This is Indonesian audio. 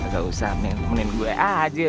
gak usah menemui gue aja